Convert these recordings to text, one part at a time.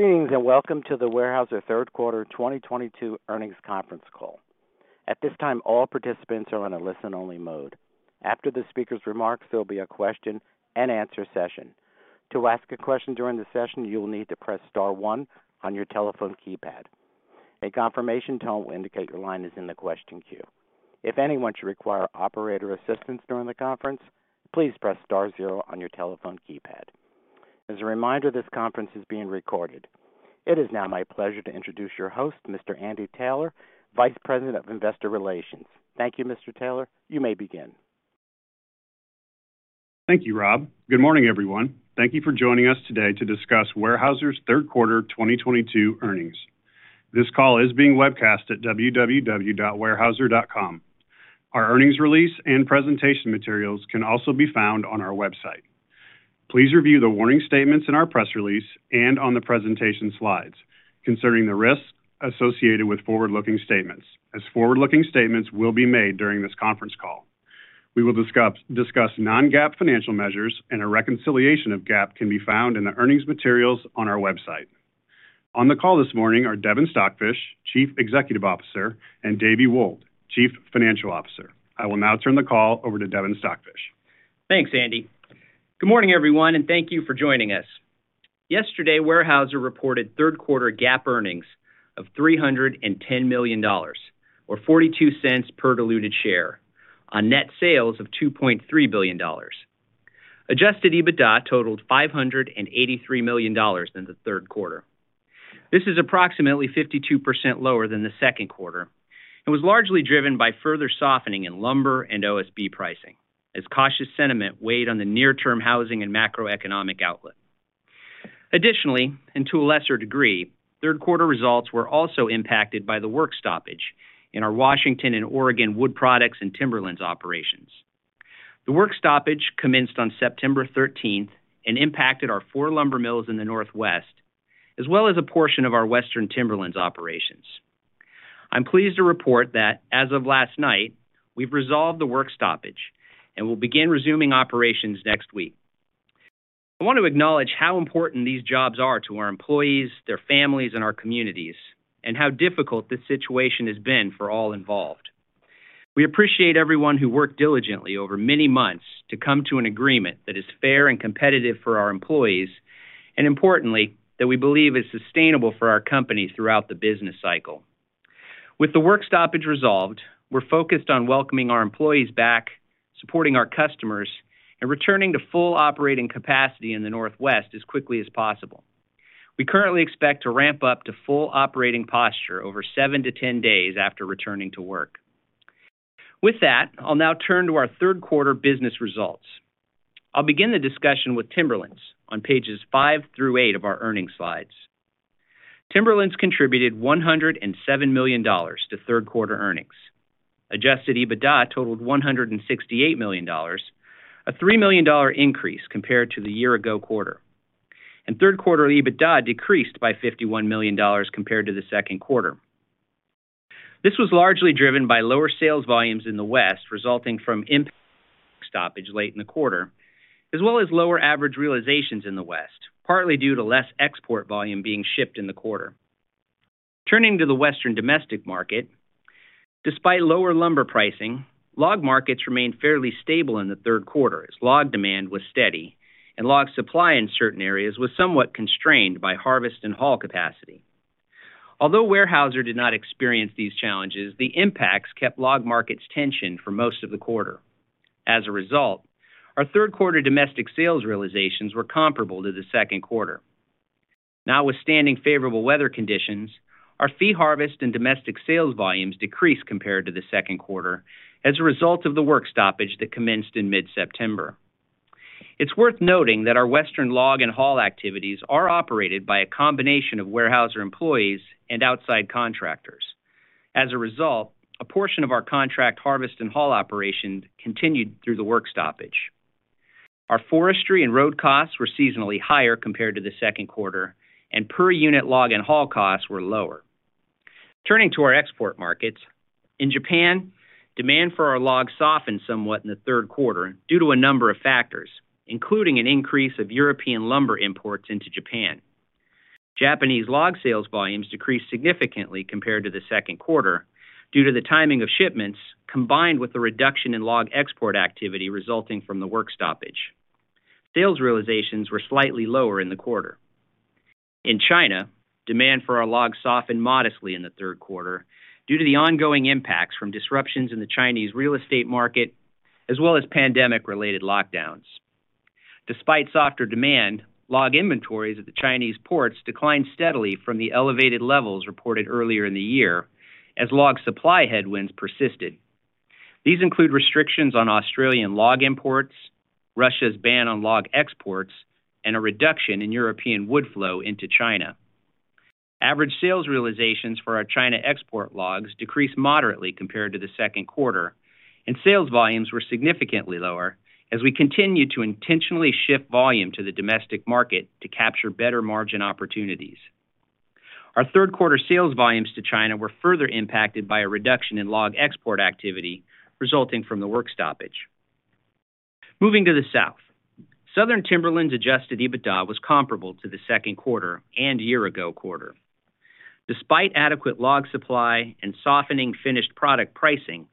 Greetings, and welcome to the Weyerhaeuser third quarter 2022 earnings conference call. At this time, all participants are in a listen-only mode. After the speaker's remarks, there'll be a question-and-answer session. To ask a question during the session, you will need to press star one on your telephone keypad. A confirmation tone will indicate your line is in the question queue. If anyone should require operator assistance during the conference, please press star zero on your telephone keypad. As a reminder, this conference is being recorded. It is now my pleasure to introduce your host, Mr. Andy Taylor, Vice President of Investor Relations. Thank you, Mr. Taylor. You may begin. Thank you, Rob. Good morning, everyone. Thank you for joining us today to discuss Weyerhaeuser's third quarter 2022 earnings. This call is being webcast at www.weyerhaeuser.com. Our earnings release and presentation materials can also be found on our website. Please review the warning statements in our press release and on the presentation slides concerning the risks associated with forward-looking statements, as forward-looking statements will be made during this conference call. We will discuss non-GAAP financial measures, and a reconciliation of GAAP can be found in the earnings materials on our website. On the call this morning are Devin Stockfish, Chief Executive Officer, and David Wold, Chief Financial Officer. I will now turn the call over to Devin Stockfish. Thanks, Andy. Good morning, everyone, and thank you for joining us. Yesterday, Weyerhaeuser reported third quarter GAAP earnings of $310 million or $0.42 per diluted share on net sales of $2.3 billion. Adjusted EBITDA totaled $583 million in the third quarter. This is approximately 52% lower than the second quarter and was largely driven by further softening in lumber and OSB pricing as cautious sentiment weighed on the near-term housing and macroeconomic outlook. Additionally, and to a lesser degree, third quarter results were also impacted by the work stoppage in our Washington and Oregon wood products and Timberlands operations. The work stoppage commenced on September 13th and impacted our four lumber mills in the Northwest, as well as a portion of our western Timberlands operations. I'm pleased to report that as of last night, we've resolved the work stoppage and will begin resuming operations next week. I want to acknowledge how important these jobs are to our employees, their families, and our communities, and how difficult this situation has been for all involved. We appreciate everyone who worked diligently over many months to come to an agreement that is fair and competitive for our employees, and importantly, that we believe is sustainable for our company throughout the business cycle. With the work stoppage resolved, we're focused on welcoming our employees back, supporting our customers, and returning to full operating capacity in the Northwest as quickly as possible. We currently expect to ramp up to full operating posture over 7-10 days after returning to work. With that, I'll now turn to our third quarter business results. I'll begin the discussion with Timberlands on pages five through eight of our earnings slides. Timberlands contributed $107 million to third quarter earnings. Adjusted EBITDA totaled $168 million, a $3 million increase compared to the year-ago quarter. Third quarter EBITDA decreased by $51 million compared to the second quarter. This was largely driven by lower sales volumes in the West, resulting from stoppage late in the quarter, as well as lower average realizations in the West, partly due to less export volume being shipped in the quarter. Turning to the Western domestic market, despite lower lumber pricing, log markets remained fairly stable in the third quarter as log demand was steady and log supply in certain areas was somewhat constrained by harvest and haul capacity. Although Weyerhaeuser did not experience these challenges, the impacts kept log markets tensioned for most of the quarter. As a result, our third quarter domestic sales realizations were comparable to the second quarter. Notwithstanding favorable weather conditions, our fee harvest and domestic sales volumes decreased compared to the second quarter as a result of the work stoppage that commenced in mid-September. It's worth noting that our Western log and haul activities are operated by a combination of Weyerhaeuser employees and outside contractors. As a result, a portion of our contract harvest and haul operations continued through the work stoppage. Our forestry and road costs were seasonally higher compared to the second quarter, and per-unit log and haul costs were lower. Turning to our export markets, in Japan, demand for our logs softened somewhat in the third quarter due to a number of factors, including an increase of European lumber imports into Japan. Japanese log sales volumes decreased significantly compared to the second quarter due to the timing of shipments, combined with the reduction in log export activity resulting from the work stoppage. Sales realizations were slightly lower in the quarter. In China, demand for our logs softened modestly in the third quarter due to the ongoing impacts from disruptions in the Chinese real estate market, as well as pandemic-related lockdowns. Despite softer demand, log inventories at the Chinese ports declined steadily from the elevated levels reported earlier in the year as log supply headwinds persisted. These include restrictions on Australian log imports, Russia's ban on log exports, and a reduction in European wood flow into China. Average sales realizations for our China export logs decreased moderately compared to the second quarter, and sales volumes were significantly lower as we continued to intentionally shift volume to the domestic market to capture better margin opportunities. Our third quarter sales volumes to China were further impacted by a reduction in log export activity resulting from the work stoppage. Moving to the South. Southern Timberlands' Adjusted EBITDA was comparable to the second quarter and year-ago quarter. Despite adequate log supply and softening finished product pricing,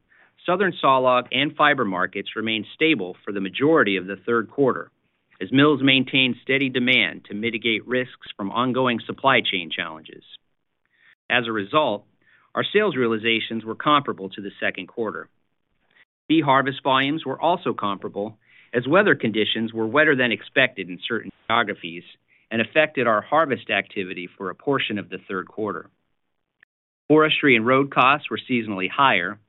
southern sawlog and fiber markets remained stable for the majority of the third quarter as mills maintained steady demand to mitigate risks from ongoing supply chain challenges. As a result, our sales realizations were comparable to the second quarter. Key harvest volumes were also comparable as weather conditions were wetter than expected in certain geographies and affected our harvest activity for a portion of the third quarter. Forestry and road costs were seasonally higher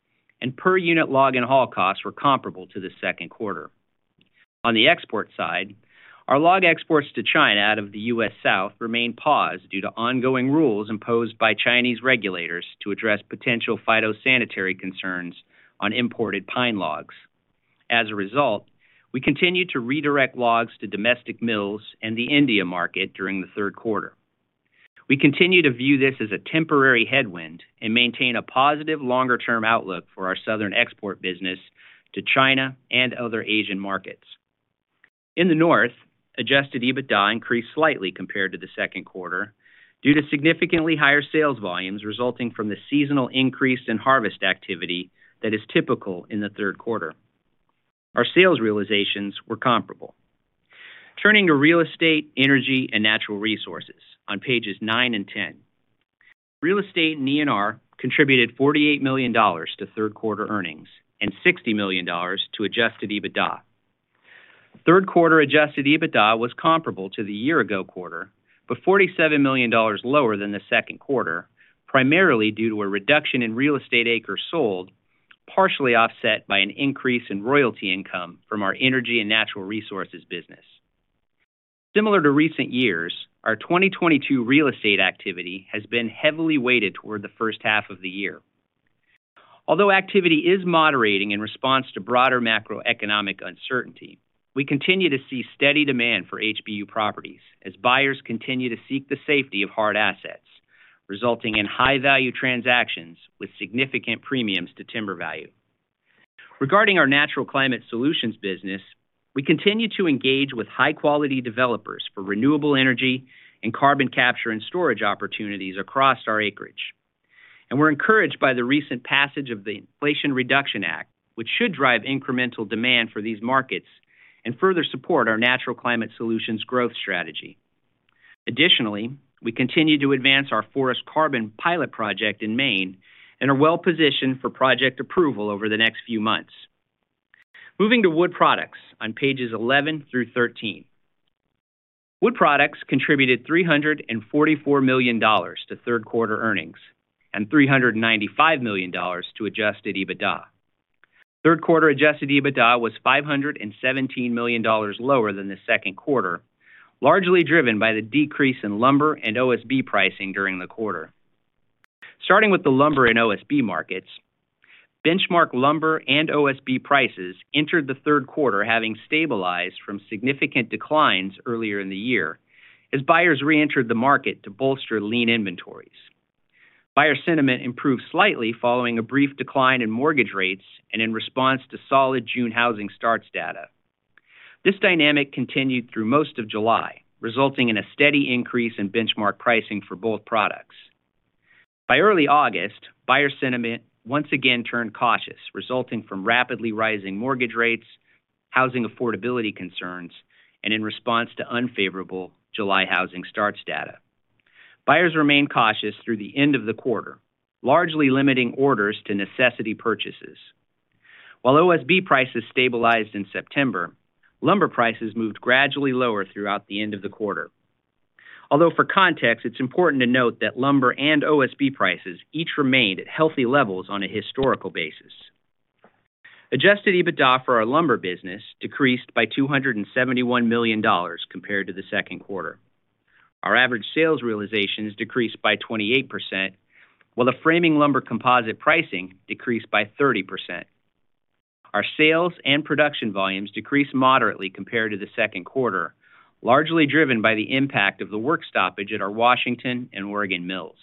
and per-unit log and haul costs were comparable to the second quarter. On the export side, our log exports to China out of the U.S. South remained paused due to ongoing rules imposed by Chinese regulators to address potential phytosanitary concerns on imported pine logs. As a result, we continued to redirect logs to domestic mills and the India market during the third quarter. We continue to view this as a temporary headwind and maintain a positive longer-term outlook for our southern export business to China and other Asian markets. In the North, adjusted EBITDA increased slightly compared to the second quarter due to significantly higher sales volumes resulting from the seasonal increase in harvest activity that is typical in the third quarter. Our sales realizations were comparable. Turning to Real Estate, Energy and Natural Resources on pages 9 and 10. Real Estate and ENR contributed $48 million to third quarter earnings and $60 million to adjusted EBITDA. Third quarter adjusted EBITDA was comparable to the year-ago quarter, but $47 million lower than the second quarter, primarily due to a reduction in real estate acres sold, partially offset by an increase in royalty income from our Energy and Natural Resources business. Similar to recent years, our 2022 real estate activity has been heavily weighted toward the first half of the year. Although activity is moderating in response to broader macroeconomic uncertainty, we continue to see steady demand for HBU properties as buyers continue to seek the safety of hard assets, resulting in high-value transactions with significant premiums to timber value. Regarding our Natural Climate Solutions business, we continue to engage with high-quality developers for renewable energy and carbon capture and storage opportunities across our acreage. We're encouraged by the recent passage of the Inflation Reduction Act, which should drive incremental demand for these markets and further support our Natural Climate Solutions growth strategy. Additionally, we continue to advance our forest carbon pilot project in Maine and are well-positioned for project approval over the next few months. Moving to Wood Products on pages 11 through 13. Wood Products contributed $344 million to third quarter earnings and $395 million to adjusted EBITDA. Third quarter adjusted EBITDA was $517 million lower than the second quarter, largely driven by the decrease in lumber and OSB pricing during the quarter. Starting with the lumber and OSB markets, benchmark lumber and OSB prices entered the third quarter having stabilized from significant declines earlier in the year as buyers reentered the market to bolster lean inventories. Buyer sentiment improved slightly following a brief decline in mortgage rates and in response to solid June housing starts data. This dynamic continued through most of July, resulting in a steady increase in benchmark pricing for both products. By early August, buyer sentiment once again turned cautious, resulting from rapidly rising mortgage rates, housing affordability concerns, and in response to unfavorable July housing starts data. Buyers remained cautious through the end of the quarter, largely limiting orders to necessity purchases. While OSB prices stabilized in September, lumber prices moved gradually lower throughout the end of the quarter. Although for context, it's important to note that lumber and OSB prices each remained at healthy levels on a historical basis. Adjusted EBITDA for our lumber business decreased by $271 million compared to the second quarter. Our average sales realizations decreased by 28%, while the framing lumber composite pricing decreased by 30%. Our sales and production volumes decreased moderately compared to the second quarter, largely driven by the impact of the work stoppage at our Washington and Oregon mills.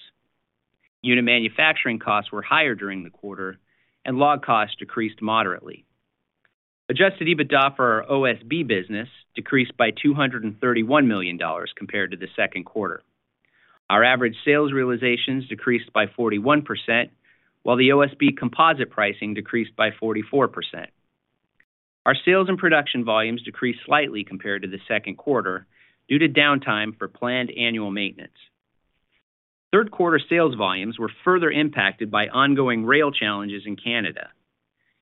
Unit manufacturing costs were higher during the quarter, and log costs decreased moderately. Adjusted EBITDA for our OSB business decreased by $231 million compared to the second quarter. Our average sales realizations decreased by 41%, while the OSB composite pricing decreased by 44%. Our sales and production volumes decreased slightly compared to the second quarter due to downtime for planned annual maintenance. Third quarter sales volumes were further impacted by ongoing rail challenges in Canada.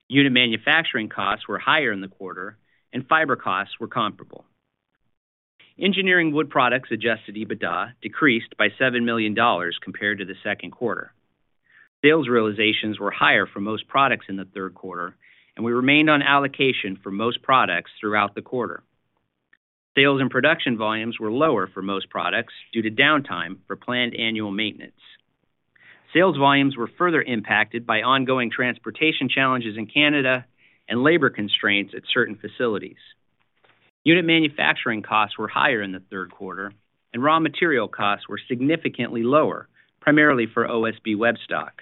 Unit manufacturing costs were higher in the quarter, and fiber costs were comparable. Engineering Wood Products' adjusted EBITDA decreased by $7 million compared to the second quarter. Sales realizations were higher for most products in the third quarter, and we remained on allocation for most products throughout the quarter. Sales and production volumes were lower for most products due to downtime for planned annual maintenance. Sales volumes were further impacted by ongoing transportation challenges in Canada and labor constraints at certain facilities. Unit manufacturing costs were higher in the third quarter, and raw material costs were significantly lower, primarily for OSB web stock.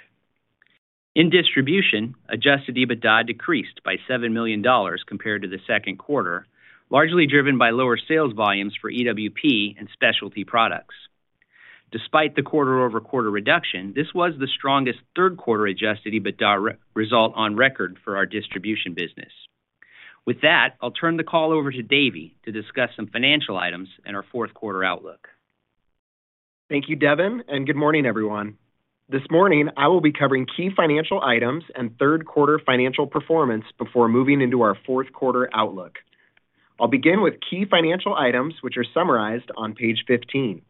In distribution, adjusted EBITDA decreased by $7 million compared to the second quarter, largely driven by lower sales volumes for EWP and specialty products. Despite the quarter-over-quarter reduction, this was the strongest third quarter adjusted EBITDA result on record for our distribution business. With that, I'll turn the call over to David to discuss some financial items and our fourth quarter outlook. Thank you, Devin, and good morning, everyone. This morning, I will be covering key financial items and third quarter financial performance before moving into our fourth quarter outlook. I'll begin with key financial items which are summarized on page 15.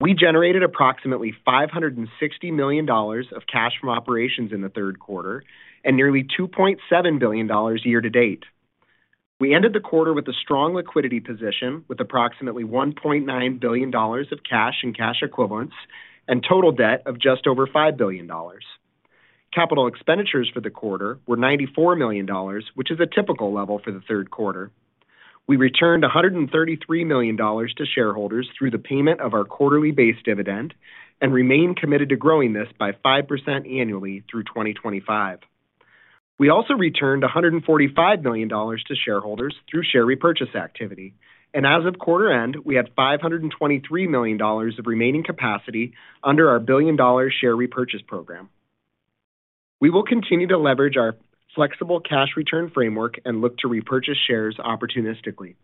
We generated approximately $560 million of cash from operations in the third quarter and nearly $2.7 billion year to date. We ended the quarter with a strong liquidity position with approximately $1.9 billion of cash and cash equivalents and total debt of just over $5 billion. Capital expenditures for the quarter were $94 million, which is a typical level for the third quarter. We returned $133 million to shareholders through the payment of our quarterly base dividend and remain committed to growing this by 5% annually through 2025. We also returned $145 million to shareholders through share repurchase activity. As of quarter end, we had $523 million of remaining capacity under our $1 billion share repurchase program. We will continue to leverage our flexible cash return framework and look to repurchase shares opportunistically.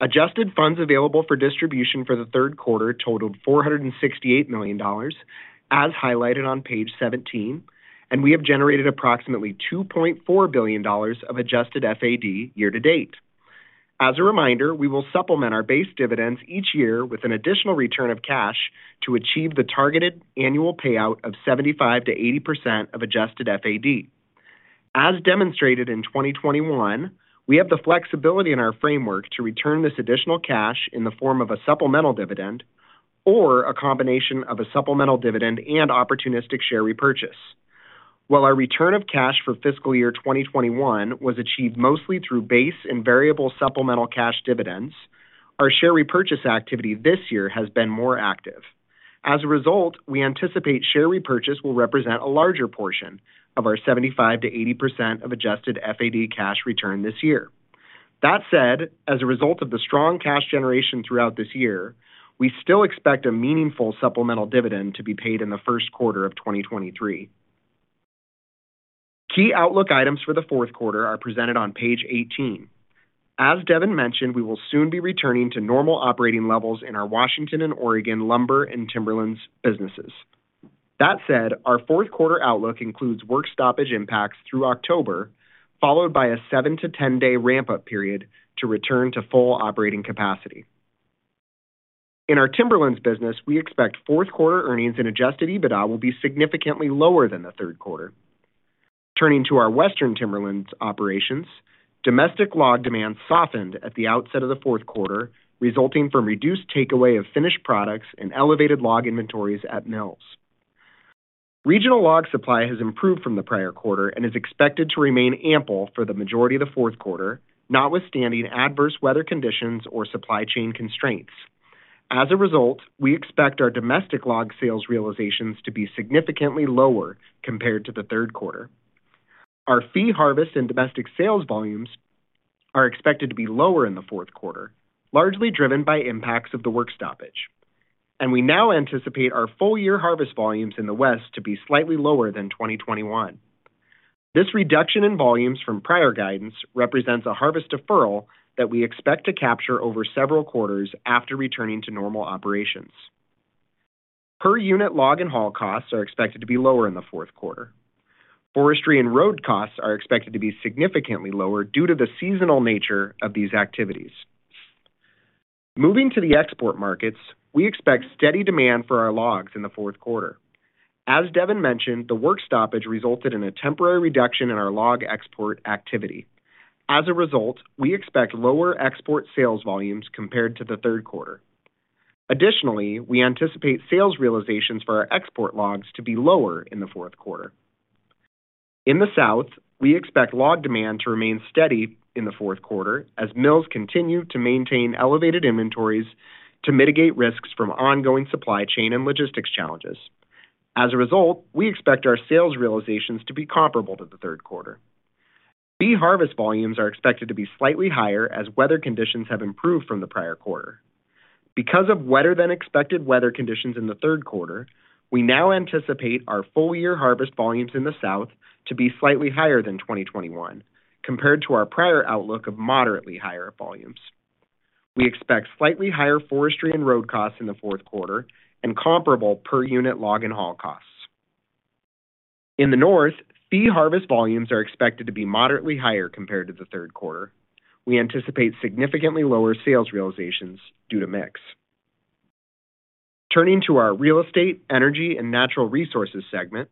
Adjusted Funds Available for Distribution for the third quarter totaled $468 million, as highlighted on page 17, and we have generated approximately $2.4 billion of adjusted FAD year-to-date. As a reminder, we will supplement our base dividends each year with an additional return of cash to achieve the targeted annual payout of 75%-80% of adjusted FAD. As demonstrated in 2021, we have the flexibility in our framework to return this additional cash in the form of a supplemental dividend or a combination of a supplemental dividend and opportunistic share repurchase. While our return of cash for fiscal year 2021 was achieved mostly through base and variable supplemental cash dividends, our share repurchase activity this year has been more active. As a result, we anticipate share repurchase will represent a larger portion of our 75%-80% of adjusted FAD cash return this year. That said, as a result of the strong cash generation throughout this year, we still expect a meaningful supplemental dividend to be paid in the first quarter of 2023. Key outlook items for the fourth quarter are presented on page 18. As Devin mentioned, we will soon be returning to normal operating levels in our Washington and Oregon lumber and Timberlands businesses. That said, our fourth quarter outlook includes work stoppage impacts through October, followed by a 7-10 days ramp-up period to return to full operating capacity. In our Timberlands business, we expect fourth quarter earnings and adjusted EBITDA will be significantly lower than the third quarter. Turning to our Western Timberlands operations, domestic log demand softened at the outset of the fourth quarter, resulting from reduced takeaway of finished products and elevated log inventories at mills. Regional log supply has improved from the prior quarter and is expected to remain ample for the majority of the fourth quarter, notwithstanding adverse weather conditions or supply chain constraints. As a result, we expect our domestic log sales realizations to be significantly lower compared to the third quarter. Our fee harvest and domestic sales volumes are expected to be lower in the fourth quarter, largely driven by impacts of the work stoppage. We now anticipate our full year harvest volumes in the West to be slightly lower than 2021. This reduction in volumes from prior guidance represents a harvest deferral that we expect to capture over several quarters after returning to normal operations. Per-unit log and haul costs are expected to be lower in the fourth quarter. Forestry and road costs are expected to be significantly lower due to the seasonal nature of these activities. Moving to the export markets, we expect steady demand for our logs in the fourth quarter. As Devin mentioned, the work stoppage resulted in a temporary reduction in our log export activity. As a result, we expect lower export sales volumes compared to the third quarter. Additionally, we anticipate sales realizations for our export logs to be lower in the fourth quarter. In the South, we expect log demand to remain steady in the fourth quarter as mills continue to maintain elevated inventories to mitigate risks from ongoing supply chain and logistics challenges. As a result, we expect our sales realizations to be comparable to the third quarter. Fee harvest volumes are expected to be slightly higher as weather conditions have improved from the prior quarter. Because of wetter than expected weather conditions in the third quarter, we now anticipate our full year harvest volumes in the South to be slightly higher than 2021 compared to our prior outlook of moderately higher volumes. We expect slightly higher forestry and road costs in the fourth quarter and comparable per-unit log and haul costs. In the North, fee harvest volumes are expected to be moderately higher compared to the third quarter. We anticipate significantly lower sales realizations due to mix. Turning to our real estate, energy, and natural resources segment,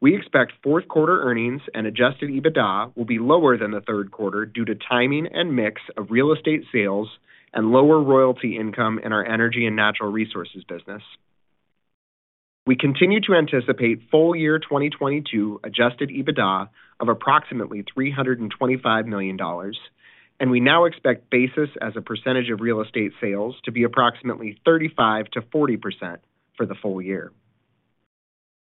we expect fourth quarter earnings and adjusted EBITDA will be lower than the third quarter due to timing and mix of real estate sales and lower royalty income in our energy and natural resources business. We continue to anticipate full-year 2022 adjusted EBITDA of approximately $325 million. We now expect basis as a percentage of real estate sales to be approximately 35%-40% for the full year.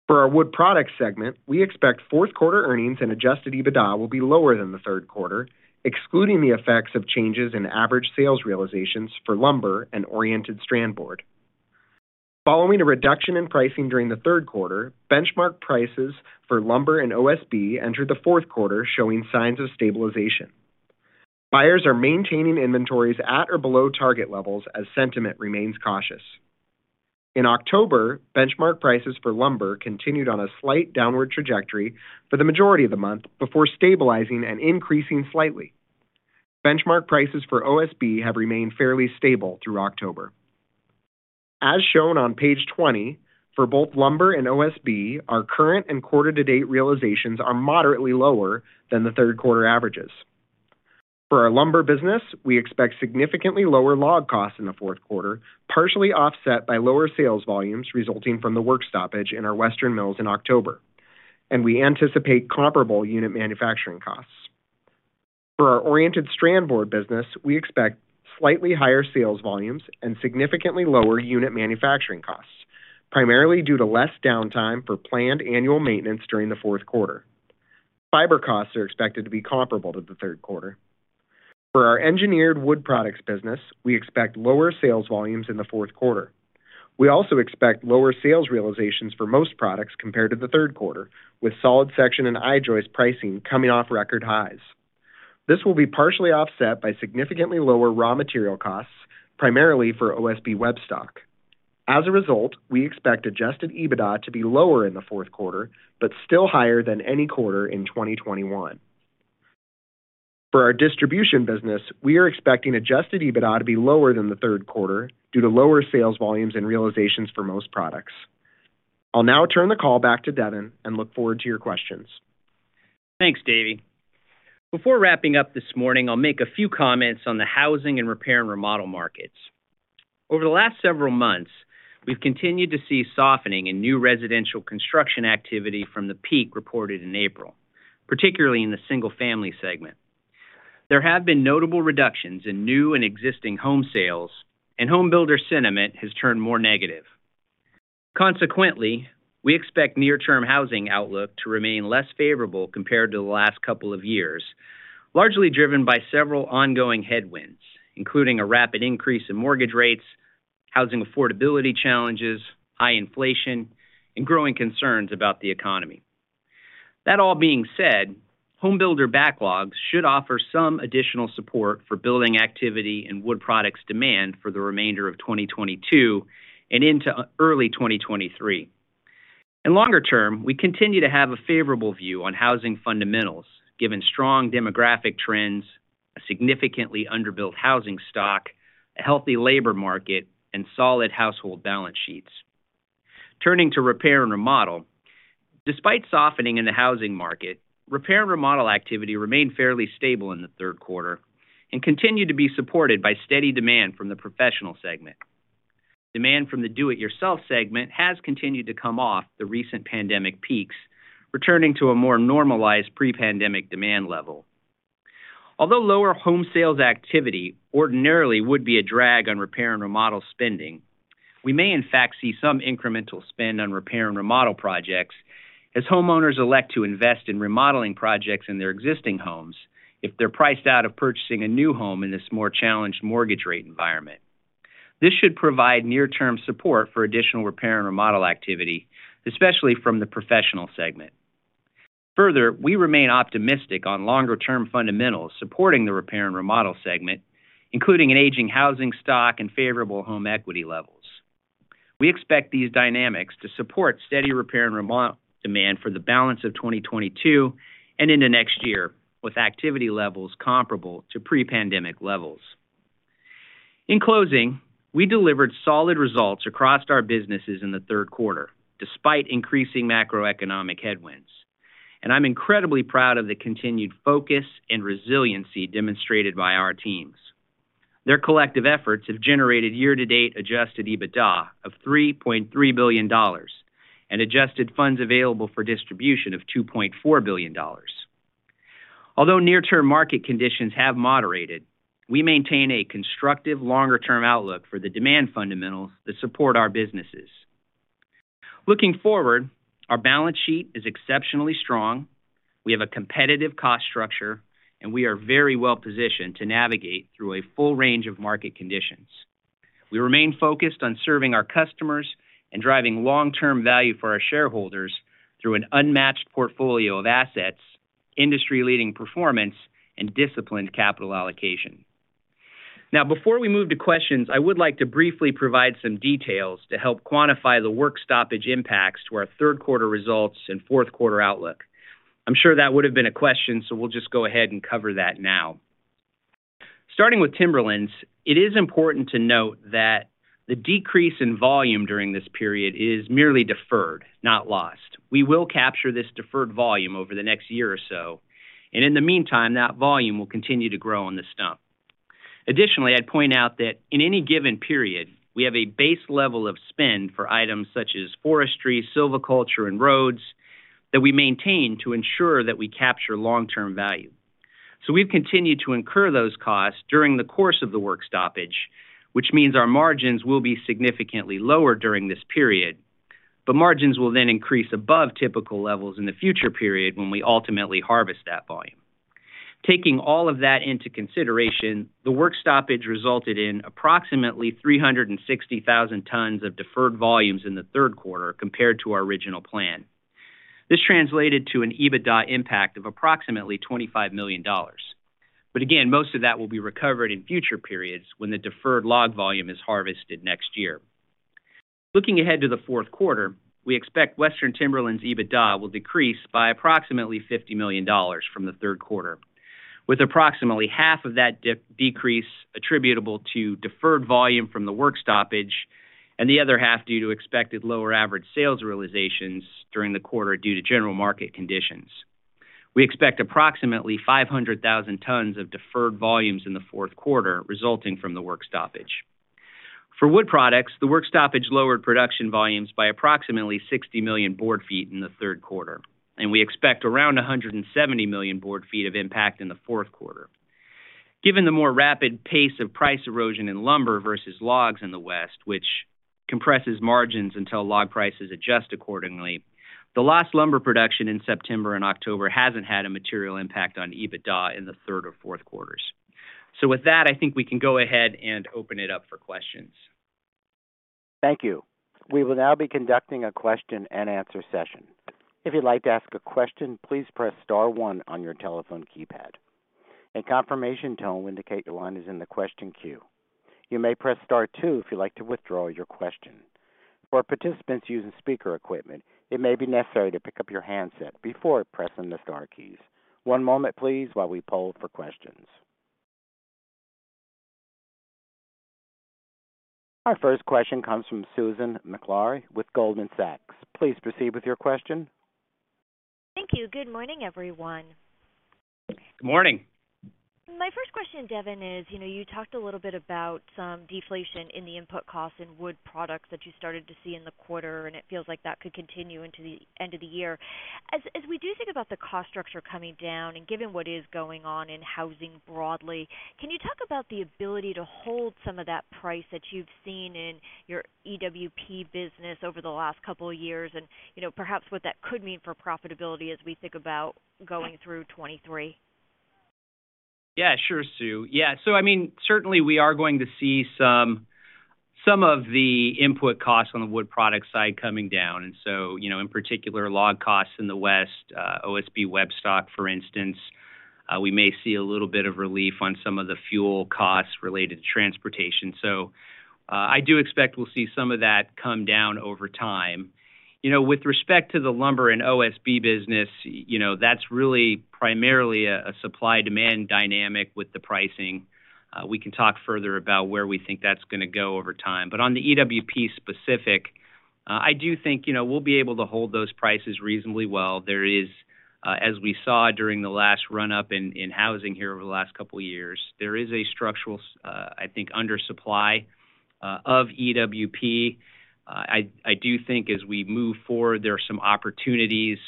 For our wood products segment, we expect fourth quarter earnings and adjusted EBITDA will be lower than the third quarter, excluding the effects of changes in average sales realizations for lumber and Oriented Strand Board. Following a reduction in pricing during the third quarter, benchmark prices for lumber and OSB entered the fourth quarter showing signs of stabilization. Buyers are maintaining inventories at or below target levels as sentiment remains cautious. In October, benchmark prices for lumber continued on a slight downward trajectory for the majority of the month before stabilizing and increasing slightly. Benchmark prices for OSB have remained fairly stable through October. As shown on page 20, for both lumber and OSB, our current and quarter to date realizations are moderately lower than the third quarter averages. For our lumber business, we expect significantly lower log costs in the fourth quarter, partially offset by lower sales volumes resulting from the work stoppage in our Western Mills in October, and we anticipate comparable unit manufacturing costs. For our Oriented Strand Board business, we expect slightly higher sales volumes and significantly lower unit manufacturing costs, primarily due to less downtime for planned annual maintenance during the fourth quarter. Fiber costs are expected to be comparable to the third quarter. For our engineered wood products business, we expect lower sales volumes in the fourth quarter. We also expect lower sales realizations for most products compared to the third quarter, with solid section and I-joist pricing coming off record highs. This will be partially offset by significantly lower raw material costs, primarily for OSB web stock. As a result, we expect adjusted EBITDA to be lower in the fourth quarter, but still higher than any quarter in 2021. For our distribution business, we are expecting adjusted EBITDA to be lower than the third quarter due to lower sales volumes and realizations for most products. I'll now turn the call back to Devin and look forward to your questions. Thanks, David. Before wrapping up this morning, I'll make a few comments on the housing and repair and remodel markets. Over the last several months, we've continued to see softening in new residential construction activity from the peak reported in April, particularly in the single-family segment. There have been notable reductions in new and existing home sales, and home builder sentiment has turned more negative. Consequently, we expect near-term housing outlook to remain less favorable compared to the last couple of years, largely driven by several ongoing headwinds, including a rapid increase in mortgage rates, housing affordability challenges, high inflation, and growing concerns about the economy. That all being said, home builder backlogs should offer some additional support for building activity and wood products demand for the remainder of 2022 and into early 2023. Longer term, we continue to have a favorable view on housing fundamentals, given strong demographic trends, a significantly underbuilt housing stock, a healthy labor market, and solid household balance sheets. Turning to repair and remodel. Despite softening in the housing market, repair and remodel activity remained fairly stable in the third quarter and continued to be supported by steady demand from the professional segment. Demand from the do-it-yourself segment has continued to come off the recent pandemic peaks, returning to a more normalized pre-pandemic demand level. Although lower home sales activity ordinarily would be a drag on repair and remodel spending, we may in fact see some incremental spend on repair and remodel projects as homeowners elect to invest in remodeling projects in their existing homes if they're priced out of purchasing a new home in this more challenged mortgage rate environment. This should provide near-term support for additional repair and remodel activity, especially from the professional segment. Further, we remain optimistic on longer-term fundamentals supporting the repair and remodel segment, including an aging housing stock and favorable home equity levels. We expect these dynamics to support steady repair and remodel demand for the balance of 2022 and into next year, with activity levels comparable to pre-pandemic levels. In closing, we delivered solid results across our businesses in the third quarter despite increasing macroeconomic headwinds, and I'm incredibly proud of the continued focus and resiliency demonstrated by our teams. Their collective efforts have generated year-to-date adjusted EBITDA of $3.3 billion and adjusted Funds Available for Distribution of $2.4 billion. Although near-term market conditions have moderated, we maintain a constructive longer-term outlook for the demand fundamentals that support our businesses. Looking forward, our balance sheet is exceptionally strong. We have a competitive cost structure, and we are very well positioned to navigate through a full range of market conditions. We remain focused on serving our customers and driving long-term value for our shareholders through an unmatched portfolio of assets, industry-leading performance, and disciplined capital allocation. Now before we move to questions, I would like to briefly provide some details to help quantify the work stoppage impacts to our third quarter results and fourth quarter outlook. I'm sure that would have been a question, so we'll just go ahead and cover that now. Starting with Timberlands, it is important to note that the decrease in volume during this period is merely deferred, not lost. We will capture this deferred volume over the next year or so, and in the meantime, that volume will continue to grow on the stump. Additionally, I'd point out that in any given period, we have a base level of spend for items such as forestry, silviculture, and roads that we maintain to ensure that we capture long-term value. We've continued to incur those costs during the course of the work stoppage, which means our margins will be significantly lower during this period, but margins will then increase above typical levels in the future period when we ultimately harvest that volume. Taking all of that into consideration, the work stoppage resulted in approximately 360,000 tons of deferred volumes in the third quarter compared to our original plan. This translated to an EBITDA impact of approximately $25 million. Again, most of that will be recovered in future periods when the deferred log volume is harvested next year. Looking ahead to the fourth quarter, we expect Western Timberlands EBITDA will decrease by approximately $50 million from the third quarter, with approximately half of that decrease attributable to deferred volume from the work stoppage and the other half due to expected lower average sales realizations during the quarter due to general market conditions. We expect approximately 500,000 tons of deferred volumes in the fourth quarter resulting from the work stoppage. For wood products, the work stoppage lowered production volumes by approximately 60 million board feet in the third quarter, and we expect around 170 million board feet of impact in the fourth quarter. Given the more rapid pace of price erosion in lumber versus logs in the West, which compresses margins until log prices adjust accordingly, the lost lumber production in September and October hasn't had a material impact on EBITDA in the third or fourth quarters. With that, I think we can go ahead and open it up for questions. Thank you. We will now be conducting a question-and-answer session. If you'd like to ask a question, please press star one on your telephone keypad. A confirmation tone will indicate your line is in the question queue. You may press star two if you'd like to withdraw your question. For participants using speaker equipment, it may be necessary to pick up your handset before pressing the star keys. One moment, please, while we poll for questions. Our first question comes from Susan Maklari with Goldman Sachs. Please proceed with your question. Thank you. Good morning, everyone. Good morning. My first question, Devin, is, you know, you talked a little bit about some deflation in the input costs in wood products that you started to see in the quarter, and it feels like that could continue into the end of the year. As we do think about the cost structure coming down and given what is going on in housing broadly, can you talk about the ability to hold some of that price that you've seen in your EWP business over the last couple of years? You know, perhaps what that could mean for profitability as we think about going through 2023. Yeah, sure, Sue. Yeah. I mean, certainly we are going to see some of the input costs on the wood product side coming down. You know, in particular, log costs in the West, OSB web stock, for instance, we may see a little bit of relief on some of the fuel costs related to transportation. I do expect we'll see some of that come down over time. You know, with respect to the lumber and OSB business, you know, that's really primarily a supply-demand dynamic with the pricing. We can talk further about where we think that's gonna go over time. On the EWP specific, I do think, you know, we'll be able to hold those prices reasonably well. There is, as we saw during the last run-up in housing here over the last couple of years, there is a structural undersupply, I think, of EWP. I do think as we move forward, there are some opportunities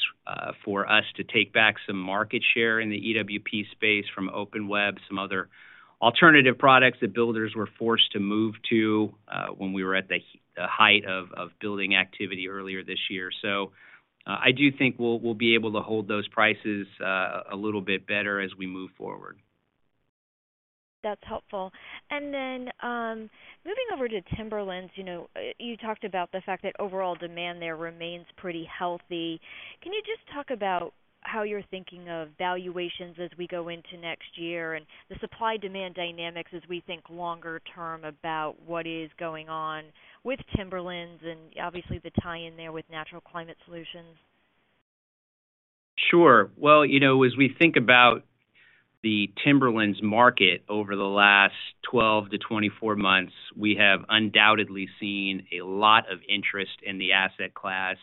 for us to take back some market share in the EWP space from open-web, some other alternative products that builders were forced to move to when we were at the height of building activity earlier this year. I do think we'll be able to hold those prices a little bit better as we move forward. That's helpful. Moving over to Timberlands, you know, you talked about the fact that overall demand there remains pretty healthy. Can you just talk about how you're thinking of valuations as we go into next year and the supply-demand dynamics as we think longer term about what is going on with Timberlands and obviously the tie-in there with Natural Climate Solutions? Sure. Well, you know, as we think about the Timberlands market over the last 12-24 months, we have undoubtedly seen a lot of interest in the asset class.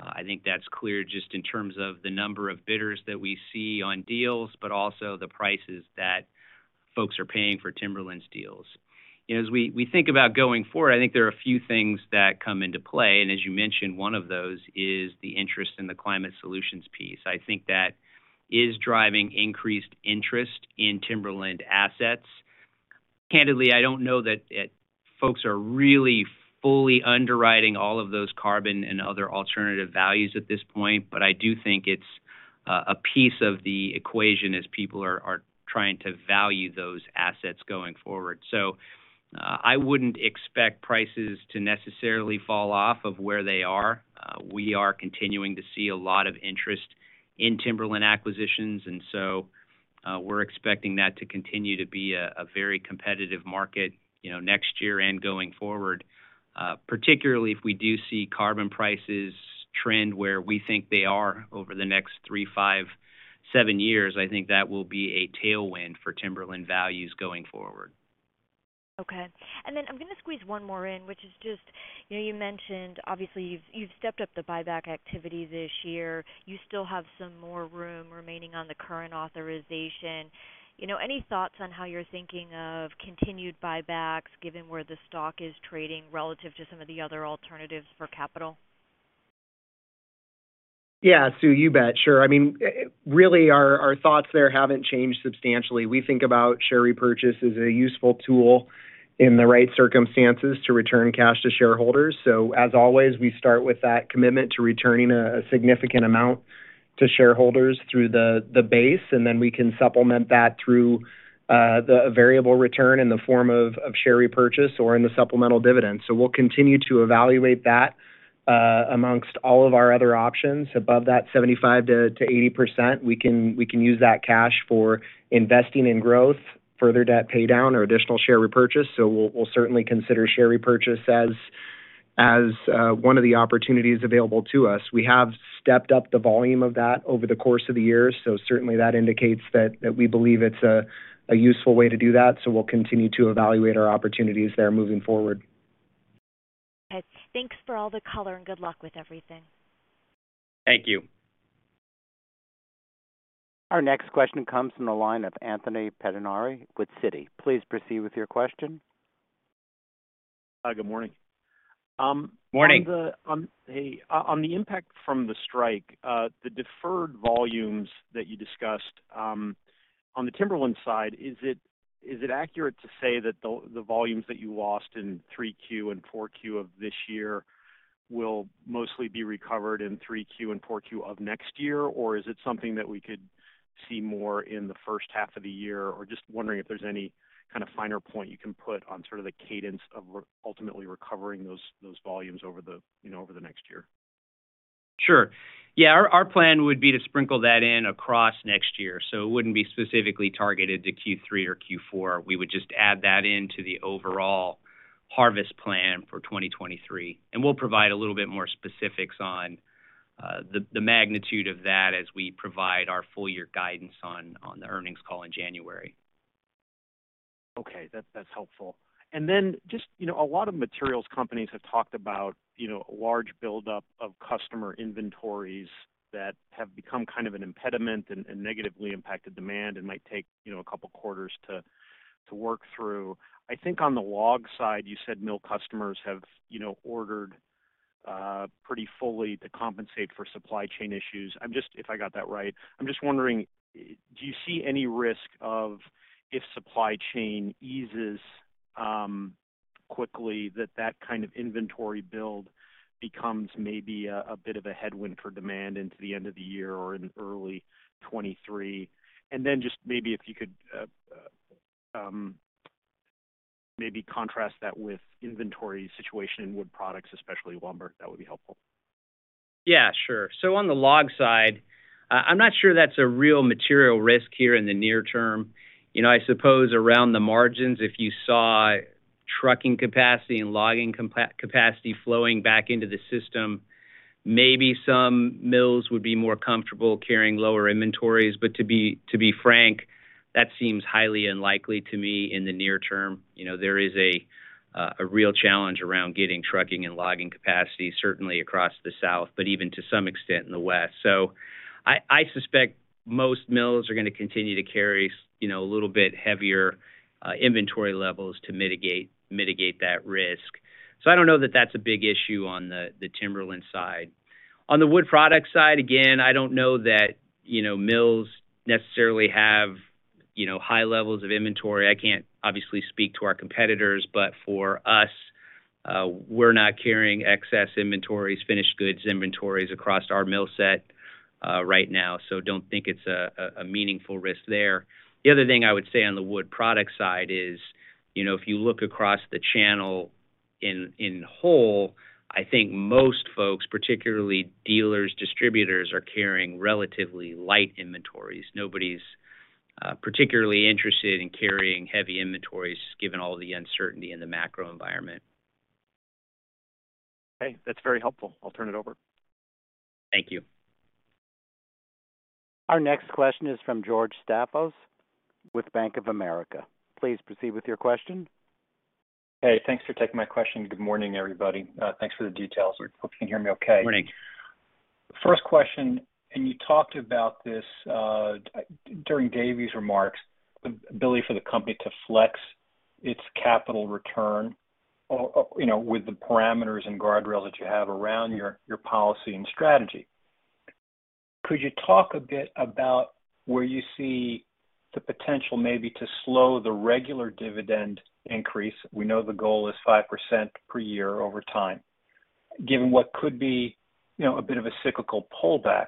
I think that's clear just in terms of the number of bidders that we see on deals, but also the prices that folks are paying for Timberlands deals. As we think about going forward, I think there are a few things that come into play, and as you mentioned, one of those is the interest in the climate solutions piece. I think that is driving increased interest in Timberlands assets. Candidly, I don't know that folks are really fully underwriting all of those carbon and other alternative values at this point, but I do think it's a piece of the equation as people are trying to value those assets going forward. I wouldn't expect prices to necessarily fall off of where they are. We are continuing to see a lot of interest in Timberlands acquisitions, and so, we're expecting that to continue to be a very competitive market, you know, next year and going forward. Particularly if we do see carbon prices trend where we think they are over the next three, five, seven years, I think that will be a tailwind for Timberlands values going forward. Okay. I'm gonna squeeze one more in, which is just, you know, you mentioned obviously you've stepped up the buyback activity this year. You still have some more room remaining on the current authorization. You know, any thoughts on how you're thinking of continued buybacks given where the stock is trading relative to some of the other alternatives for capital? Yeah, Susan, you bet. Sure. I mean, really our thoughts there haven't changed substantially. We think about share repurchase as a useful tool in the right circumstances to return cash to shareholders. As always, we start with that commitment to returning a significant amount to shareholders through the base, and then we can supplement that through the variable return in the form of share repurchase or in the supplemental dividend. We'll continue to evaluate that among all of our other options above that 75%-80%, we can use that cash for investing in growth, further debt pay down or additional share repurchase. We'll certainly consider share repurchase as one of the opportunities available to us. We have stepped up the volume of that over the course of the year. Certainly that indicates that we believe it's a useful way to do that. We'll continue to evaluate our opportunities there moving forward. Thanks for all the color, and good luck with everything. Thank you. Our next question comes from the line of Anthony Pettinari with Citi. Please proceed with your question. Hi, good morning. Morning. On the impact from the strike, the deferred volumes that you discussed, on the Timberlands side, is it accurate to say that the volumes that you lost in Q3 and Q4 of this year will mostly be recovered in Q3 and Q4 of next year? Or is it something that we could see more in the first half of the year? Or just wondering if there's any kind of finer point you can put on sort of the cadence of ultimately recovering those volumes over the, you know, over the next year. Sure. Yeah. Our plan would be to sprinkle that in across next year. It wouldn't be specifically targeted to Q3 or Q4. We would just add that into the overall harvest plan for 2023, and we'll provide a little bit more specifics on the magnitude of that as we provide our full year guidance on the earnings call in January. Okay. That's helpful. Just, you know, a lot of materials companies have talked about, you know, a large buildup of customer inventories that have become kind of an impediment and negatively impacted demand and might take, you know, a couple quarters to work through. I think on the log side, you said mill customers have, you know, ordered pretty fully to compensate for supply chain issues. If I got that right, I'm just wondering, do you see any risk of if supply chain eases quickly that that kind of inventory build becomes maybe a bit of a headwind for demand into the end of the year or in early 2023? Just maybe if you could maybe contrast that with inventory situation in wood products, especially lumber, that would be helpful. Yeah, sure. On the log side, I'm not sure that's a real material risk here in the near term. You know, I suppose around the margins, if you saw trucking capacity and logging capacity flowing back into the system, maybe some mills would be more comfortable carrying lower inventories. To be frank, that seems highly unlikely to me in the near term. You know, there is a real challenge around getting trucking and logging capacity, certainly across the South, but even to some extent in the West. I suspect most mills are gonna continue to carry, you know, a little bit heavier inventory levels to mitigate that risk. I don't know that that's a big issue on the Timberlands side. On the wood product side, again, I don't know that, you know, mills necessarily have, you know, high levels of inventory. I can't obviously speak to our competitors, but for us, we're not carrying excess inventories, finished goods inventories across our mill set, right now. Don't think it's a meaningful risk there. The other thing I would say on the wood product side is, you know, if you look across the channel in whole, I think most folks, particularly dealers, distributors, are carrying relatively light inventories. Nobody's particularly interested in carrying heavy inventories given all the uncertainty in the macro environment. Okay, that's very helpful. I'll turn it over. Thank you. Our next question is from George Staphos with Bank of America. Please proceed with your question. Hey, thanks for taking my question. Good morning, everybody. Thanks for the details. Hope you can hear me okay. Morning. First question. You talked about this during David's remarks, the ability for the company to flex its capital return, or you know, with the parameters and guardrails that you have around your policy and strategy. Could you talk a bit about where you see the potential maybe to slow the regular dividend increase? We know the goal is 5% per year over time, given what could be, you know, a bit of a cyclical pullback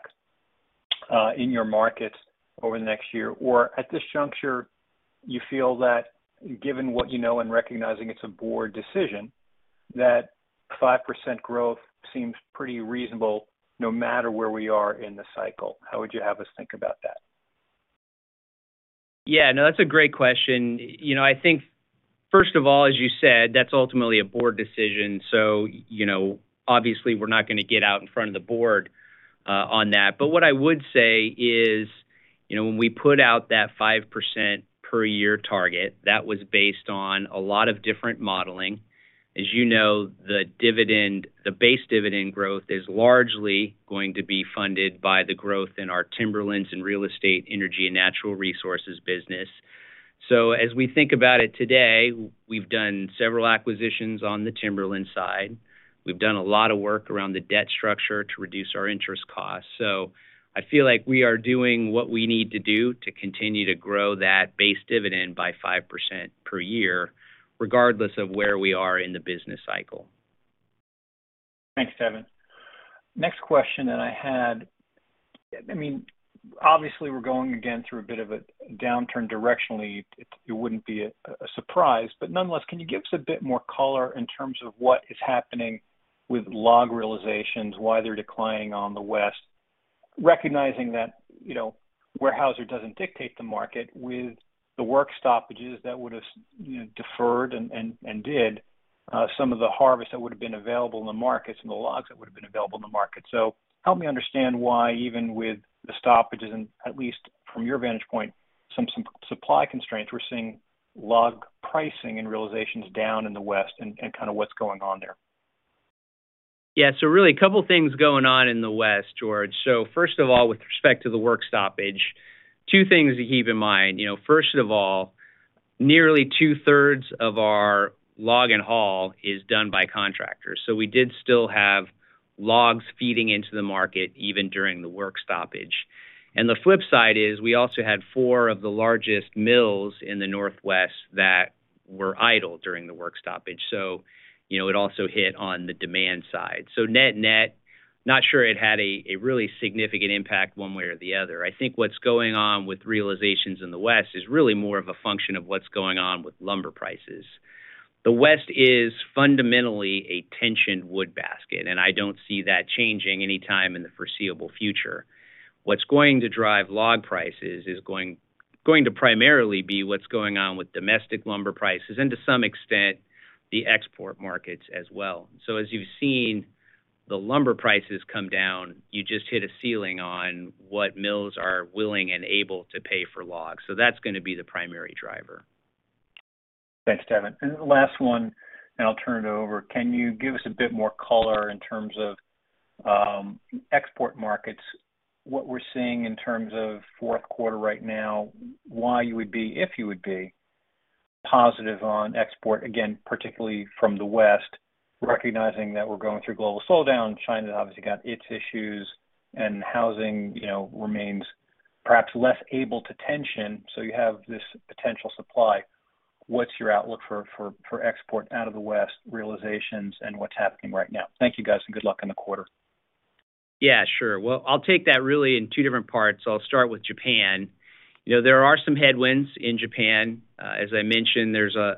in your markets over the next year. At this juncture, you feel that given what you know and recognizing it's a board decision, that 5% growth seems pretty reasonable no matter where we are in the cycle. How would you have us think about that? Yeah, no, that's a great question. You know, I think first of all, as you said, that's ultimately a board decision. You know, obviously we're not gonna get out in front of the board on that. But what I would say is. You know, when we put out that 5% per year target, that was based on a lot of different modeling. As you know, the dividend, the base dividend growth is largely going to be funded by the growth in our Timberlands and real estate, energy and natural resources business. As we think about it today, we've done several acquisitions on the Timberlands side. We've done a lot of work around the debt structure to reduce our interest costs. I feel like we are doing what we need to do to continue to grow that base dividend by 5% per year, regardless of where we are in the business cycle. Thanks, Devin. Next question that I had, I mean, obviously we're going again through a bit of a downturn directionally. It wouldn't be a surprise, but nonetheless, can you give us a bit more color in terms of what is happening with log realizations, why they're declining on the West, recognizing that, you know, Weyerhaeuser doesn't dictate the market with the work stoppages that would have, you know, deferred and did some of the harvest that would have been available in the markets and the logs that would have been available in the market. So help me understand why even with the stoppages and at least from your vantage point, some supply constraints, we're seeing log pricing and realizations down in the West and kind of what's going on there. Yeah. Really a couple of things going on in the West, George. First of all, with respect to the work stoppage, two things to keep in mind. You know, first of all, nearly two-thirds of our log and haul is done by contractors. We did still have logs feeding into the market even during the work stoppage. The flip side is we also had four of the largest mills in the Northwest that were idle during the work stoppage. You know, it also hit on the demand side. Net-net, not sure it had a really significant impact one way or the other. I think what's going on with realizations in the West is really more of a function of what's going on with lumber prices. The West is fundamentally a tension wood basket, and I don't see that changing anytime in the foreseeable future. What's going to drive log prices is going to primarily be what's going on with domestic lumber prices and to some extent, the export markets as well. As you've seen the lumber prices come down, you just hit a ceiling on what mills are willing and able to pay for logs. That's gonna be the primary driver. Thanks, Devin. The last one, and I'll turn it over. Can you give us a bit more color in terms of export markets, what we're seeing in terms of fourth quarter right now, why you would be, if you would be positive on export, again, particularly from the West, recognizing that we're going through global slowdown. China obviously got its issues and housing, you know, remains perhaps less able to tension. You have this potential supply. What's your outlook for export out of the West realizations and what's happening right now? Thank you, guys, and good luck on the quarter. Yeah, sure. Well, I'll take that really in two different parts. I'll start with Japan. You know, there are some headwinds in Japan. As I mentioned, there's a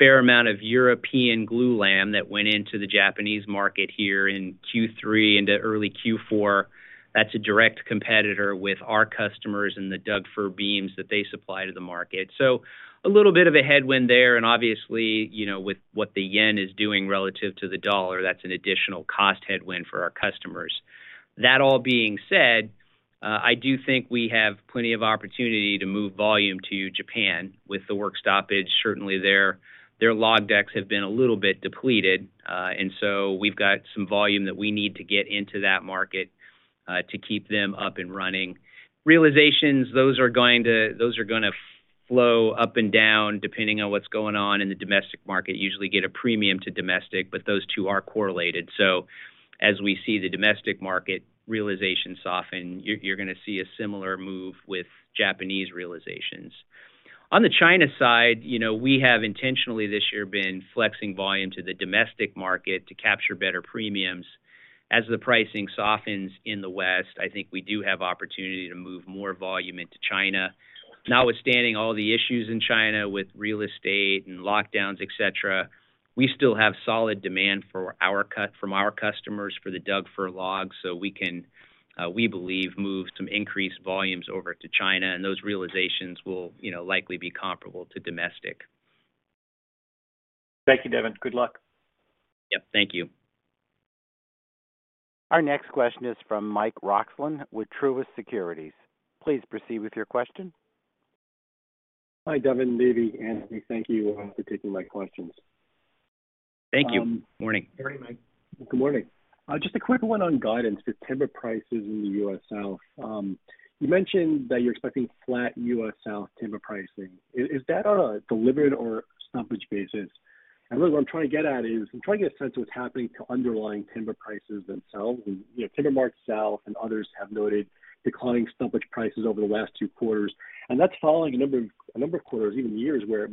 fair amount of European glulam that went into the Japanese market here in Q3 into early Q4. That's a direct competitor with our customers in the Douglas-fir beams that they supply to the market. So a little bit of a headwind there, and obviously, you know, with what the yen is doing relative to the dollar, that's an additional cost headwind for our customers. That all being said, I do think we have plenty of opportunity to move volume to Japan with the work stoppage. Certainly, their log decks have been a little bit depleted, and so we've got some volume that we need to get into that market, to keep them up and running. Realizations, those are gonna flow up and down depending on what's going on in the domestic market, usually get a premium to domestic, but those two are correlated. As we see the domestic market realization soften, you're gonna see a similar move with Japanese realizations. On the China side, you know, we have intentionally this year been flexing volume to the domestic market to capture better premiums. As the pricing softens in the West, I think we do have opportunity to move more volume into China. Notwithstanding all the issues in China with real estate and lockdowns, et cetera, we still have solid demand from our customers for the Douglas-fir logs, so we can, we believe, move some increased volumes over to China, and those realizations will, you know, likely be comparable to domestic. Thank you, Devin. Good luck. Yep, thank you. Our next question is from Michael Roxland with Truist Securities. Please proceed with your question. Hi, Devin, David, Andy. Thank you for taking my questions. Thank you. Morning. Morning, Mike. Good morning. Just a quick one on guidance for timber prices in the U.S. South. You mentioned that you're expecting flat U.S. South timber pricing. Is that on a delivered or frontage basis? Look, what I'm trying to get at is I'm trying to get a sense of what's happening to underlying timber prices themselves. You know, TimberMart-South and others have noted declining frontage prices over the last two quarters, and that's following a number of quarters, even years, where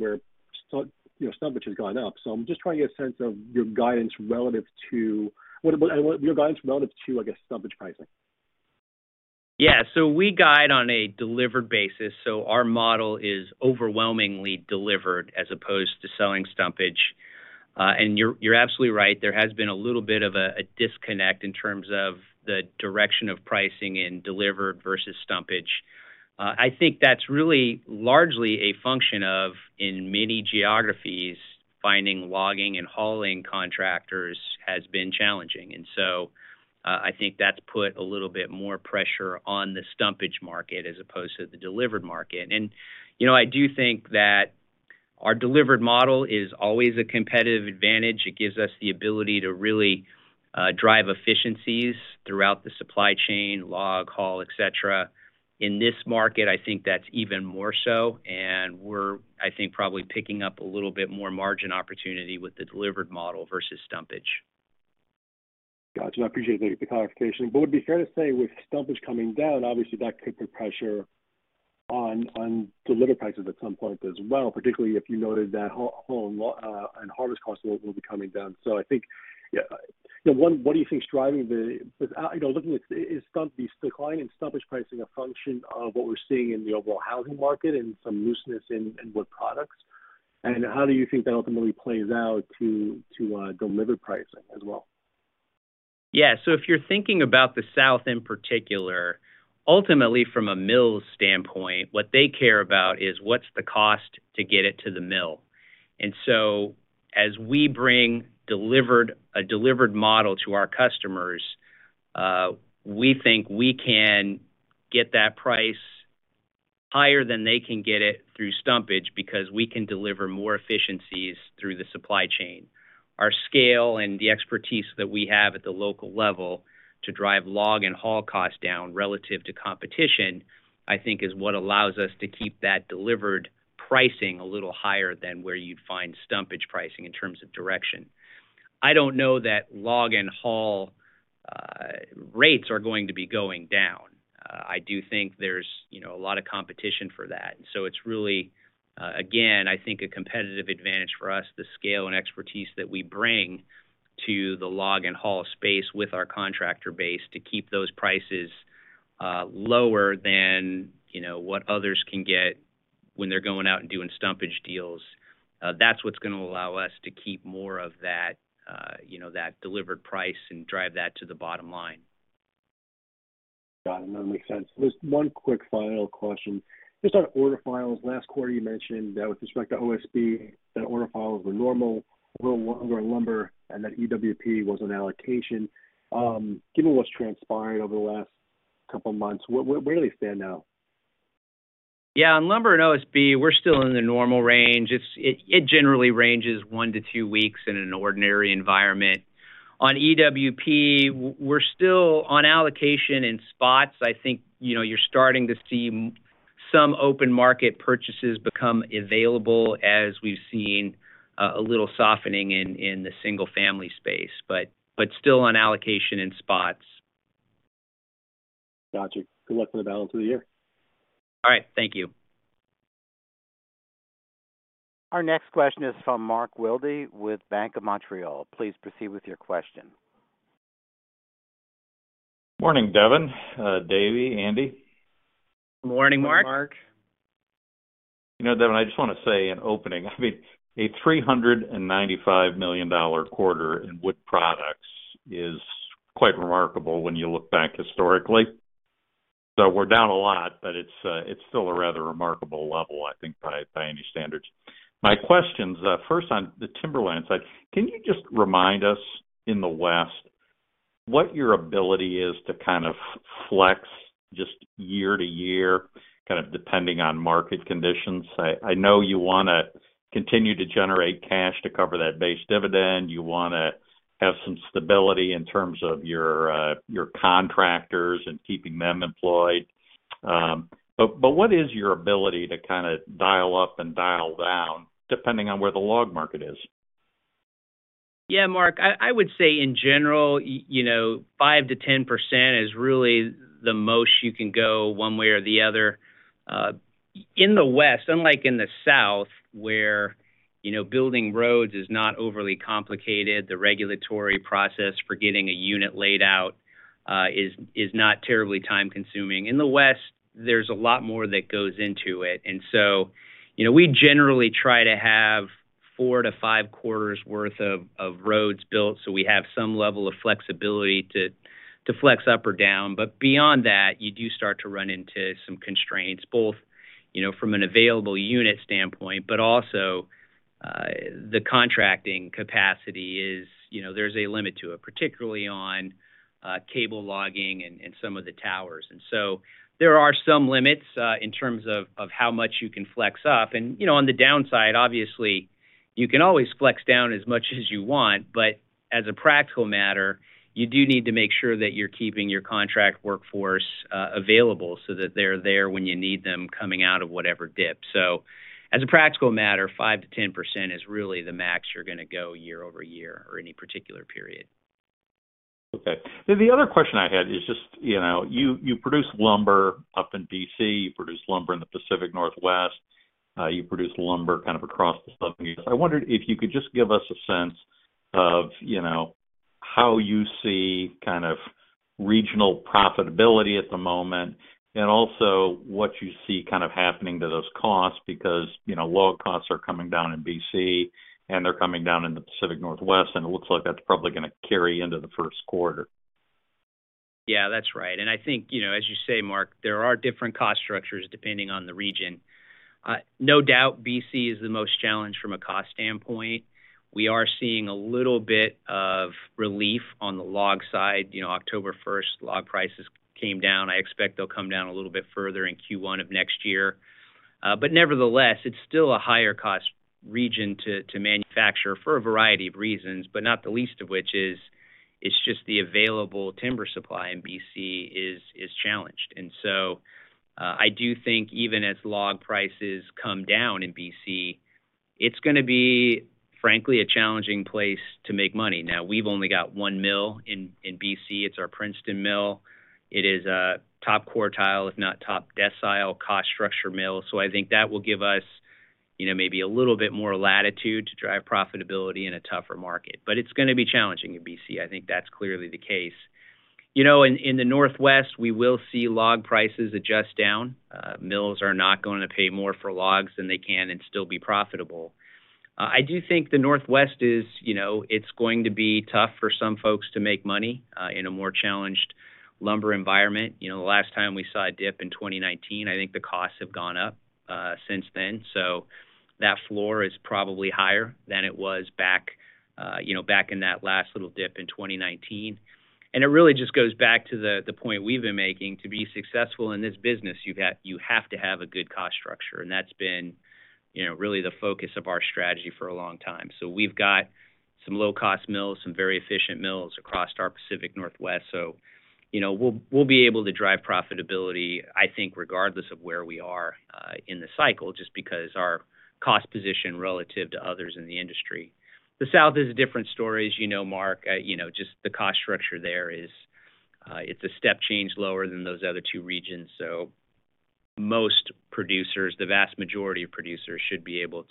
you know, frontage has gone up. I'm just trying to get a sense of your guidance relative to what your guidance relative to, I guess, frontage pricing. Yeah. We guide on a delivered basis, so our model is overwhelmingly delivered as opposed to selling frontage. You're absolutely right. There has been a little bit of a disconnect in terms of the direction of pricing in delivered versus frontage. I think that's really largely a function of in many geographies, finding logging and hauling contractors has been challenging. I think that's put a little bit more pressure on the frontage market as opposed to the delivered market. You know, I do think that our delivered model is always a competitive advantage. It gives us the ability to really drive efficiencies throughout the supply chain, log, haul, et cetera. In this market, I think that's even more so, and we're, I think, probably picking up a little bit more margin opportunity with the delivered model versus frontage. Got you. I appreciate the clarification. Would it be fair to say with frontage coming down, obviously that could put pressure on delivered prices at some point as well, particularly if you noted that haul and harvest costs will be coming down? I think, yeah, you know, what do you think, without you know looking at, is the decline in frontage pricing a function of what we're seeing in the overall housing market and some looseness in wood products? And how do you think that ultimately plays out to delivered pricing as well? Yeah. If you're thinking about the South in particular, ultimately from a mill standpoint, what they care about is what's the cost to get it to the mill. As we bring a delivered model to our customers, we think we can get that price higher than they can get it through frontage because we can deliver more efficiencies through the supply chain. Our scale and the expertise that we have at the local level to drive log and haul costs down relative to competition, I think, is what allows us to keep that delivered pricing a little higher than where you'd find frontage pricing in terms of direction. I don't know that log and haul rates are going to be going down. I do think there's, you know, a lot of competition for that. It's really, again, I think a competitive advantage for us, the scale and expertise that we bring to the log and haul space with our contractor base to keep those prices lower than, you know, what others can get when they're going out and doing frontage deals. That's what's gonna allow us to keep more of that, you know, that delivered price and drive that to the bottom line. Got it. That makes sense. Just one quick final question. Just on order files. Last quarter, you mentioned that with respect to OSB, that order files were normal, a little longer in lumber, and that EWP was on allocation. Given what's transpired over the last couple of months, where do we stand now? Yeah. On lumber and OSB, we're still in the normal range. It generally ranges one-two weeks in an ordinary environment. On EWP, we're still on allocation in spots. I think, you know, you're starting to see some open market purchases become available as we've seen a little softening in the single-family space, but still on allocation in spots. Gotcha. Good luck for the balance of the year. All right. Thank you. Our next question is from Mark Wilde with Bank of Montreal. Please proceed with your question. Morning, Devin, David, Andy. Morning, Mark. Morning, Mark. You know, Devin, I just wanna say in opening, I mean, a $395 million quarter in wood products is quite remarkable when you look back historically. We're down a lot, but it's still a rather remarkable level, I think, by any standards. My questions first on the Timberlands side, can you just remind us in the West what your ability is to kind of flex just year to year, kind of depending on market conditions? I know you wanna continue to generate cash to cover that base dividend. You wanna have some stability in terms of your contractors and keeping them employed. But what is your ability to kinda dial up and dial down depending on where the log market is? Yeah, Mark, I would say in general, you know, 5%-10% is really the most you can go one way or the other. In the West, unlike in the South, where you know building roads is not overly complicated, the regulatory process for getting a unit laid out is not terribly time-consuming. In the West, there's a lot more that goes into it. You know, we generally try to have four-five quarters worth of roads built, so we have some level of flexibility to flex up or down. Beyond that, you do start to run into some constraints, both you know from an available unit standpoint, but also the contracting capacity is you know there's a limit to it, particularly on cable logging and some of the towers. There are some limits in terms of how much you can flex up. You know, on the downside, obviously, you can always flex down as much as you want, but as a practical matter, you do need to make sure that you're keeping your contract workforce available so that they're there when you need them coming out of whatever dip. As a practical matter, 5%-10% is really the max you're gonna go year-over-year or any particular period. Okay. The other question I had is just, you know, you produce lumber up in B.C., you produce lumber in the Pacific Northwest, you produce lumber kind of across the Southeast. I wondered if you could just give us a sense of, you know, how you see kind of regional profitability at the moment, and also what you see kind of happening to those costs because, you know, log costs are coming down in BC, and they're coming down in the Pacific Northwest, and it looks like that's probably gonna carry into the first quarter. Yeah, that's right. I think, you know, as you say, Mark, there are different cost structures depending on the region. No doubt B.C. is the most challenged from a cost standpoint. We are seeing a little bit of relief on the log side. You know, October first, log prices came down. I expect they'll come down a little bit further in Q1 of next year. Nevertheless, it's still a higher cost region to manufacture for a variety of reasons, but not the least of which is it's just the available timber supply in B.C. is challenged. I do think even as log prices come down in B.C., it's gonna be, frankly, a challenging place to make money. Now, we've only got one mill in B.C. It's our Princeton mill. It is a top quartile, if not top decile cost structure mill. I think that will give us, you know, maybe a little bit more latitude to drive profitability in a tougher market. It's gonna be challenging in B.C. I think that's clearly the case. You know, in the Northwest, we will see log prices adjust down. Mills are not going to pay more for logs than they can and still be profitable. I do think the Northwest is, you know, it's going to be tough for some folks to make money, in a more challenged lumber environment. You know, the last time we saw a dip in 2019, I think the costs have gone up, since then. That floor is probably higher than it was back, you know, back in that last little dip in 2019. It really just goes back to the point we've been making to be successful in this business, you have to have a good cost structure, and that's been, you know, really the focus of our strategy for a long time. We've got some low-cost mills, some very efficient mills across our Pacific Northwest. You know, we'll be able to drive profitability, I think, regardless of where we are in the cycle, just because our cost position relative to others in the industry. The South is a different story. As you know, Mark, you know, just the cost structure there is, it's a step change lower than those other two regions. Most producers, the vast majority of producers should be able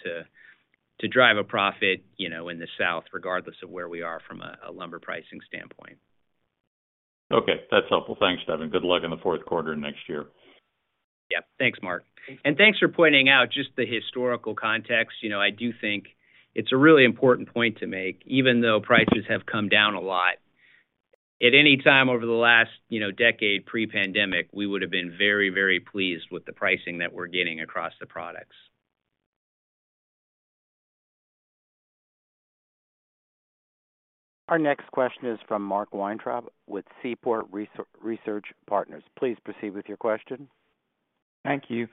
to drive a profit, you know, in the South regardless of where we are from a lumber pricing standpoint. Okay. That's helpful. Thanks, Devin. Good luck in the fourth quarter and next year. Yeah. Thanks, Mark. Thanks for pointing out just the historical context. You know, I do think it's a really important point to make, even though prices have come down a lot. At any time over the last, you know, decade pre-pandemic, we would have been very, very pleased with the pricing that we're getting across the products. Our next question is from Mark Weintraub with Seaport Research Partners. Please proceed with your question. Thank you.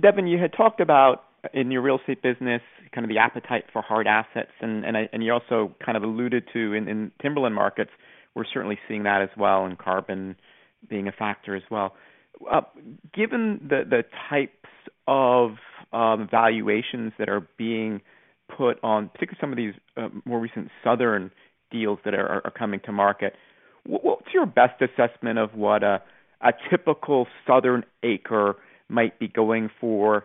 Devin, you had talked about in your real estate business kind of the appetite for hard assets, and you also kind of alluded to in Timberlands markets, we're certainly seeing that as well and carbon being a factor as well. Given the types of valuations that are being put on particularly some of these more recent southern deals that are coming to market, what's your best assessment of what a typical southern acre might be going for